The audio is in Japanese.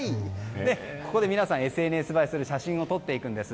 ここで皆さんＳＮＳ映えする写真を撮っていくんです。